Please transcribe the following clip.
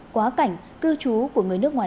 quá cảnh cư trú của người nước ngoài